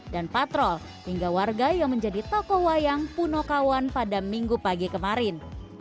dan patrol hingga warga yang menjadi tokoh wayang punokawan pada minggu pagi kemarin